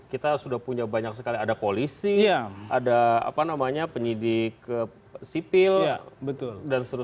kita sudah punya banyak sekali ada polisi ada penyidik sipil dan seterusnya